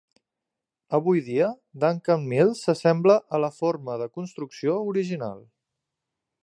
Avui dia, Duncan Mills s'assembla a la forma de construcció original.